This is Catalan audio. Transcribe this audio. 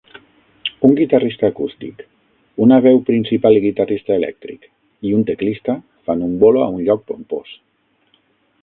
Un guitarrista acústic, una veu principal i guitarrista elèctric i un teclista fan un bolo a un lloc pompós